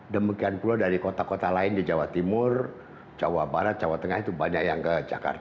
demikian pula dari kota kota lain di jawa timur jawa barat jawa tengah itu banyak yang ke jakarta